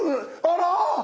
あら！